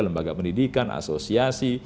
lembaga pendidikan asosiasi